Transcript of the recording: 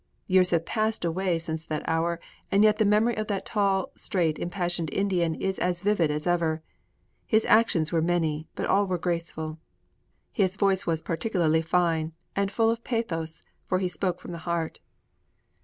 Years have passed away since that hour, and yet the memory of that tall, straight, impassioned Indian is as vivid as ever. His actions were many, but all were graceful. His voice was particularly fine and full of pathos, for he spoke from the heart.'